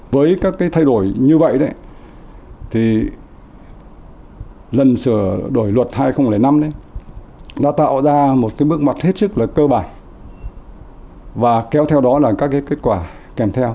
với các thay đổi như vậy lần sửa đổi luật hai nghìn năm đã tạo ra một bước mặt hết sức cơ bản và kéo theo đó là các kết quả kèm theo